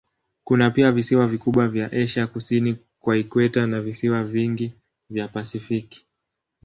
Kuna pia visiwa vikubwa vya Asia kusini kwa ikweta na visiwa vingi vya Pasifiki.